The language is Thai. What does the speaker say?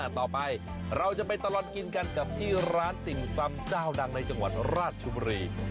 ต่อไปเราจะไปตลอดกินกันกับที่ร้านติ่มซำเจ้าดังในจังหวัดราชบุรี